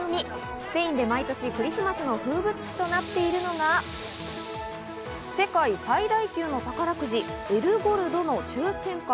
スペインで毎年クリスマスの風物詩となっているのが、世界最大級の宝くじエル・ゴルドの抽選会。